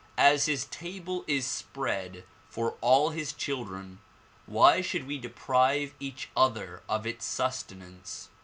As his table is spread for all his children why should we deprive each other of its sustenance?